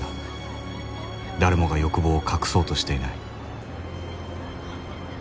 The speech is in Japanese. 誰もが欲望を隠そうとしていない